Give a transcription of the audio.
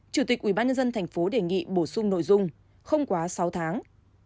chủ tịch ubnd tp đề nghị bổ sung nội dung không quá sáu tháng